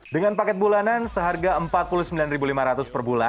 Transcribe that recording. dengan paket bulanan seharga rp empat puluh sembilan lima ratus per bulan